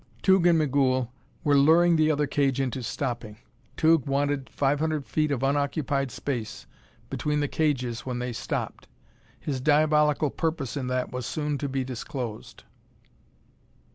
Tugh and Migul were luring the other cage into stopping. Tugh wanted five hundred feet of unoccupied space between the cages when they stopped. His diabolical purpose in that was soon to be disclosed.